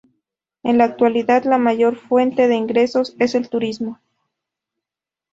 En la actualidad la mayor fuente de ingresos es el turismo.